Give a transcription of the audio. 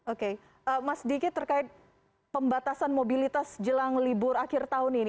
oke mas diki terkait pembatasan mobilitas jelang libur akhir tahun ini